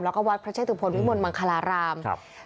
แล้วก็วัดพระเชษฐุพลวิวมนต์มังคลาราม